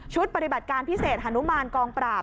ปฏิบัติการพิเศษฮานุมานกองปราบ